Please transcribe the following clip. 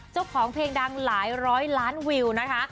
เจ้าของเพลงดังหลายร้อยล้านวิวนะคะ